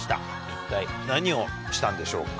一体何をしたんでしょうか？